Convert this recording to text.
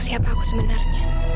siapa aku sebenarnya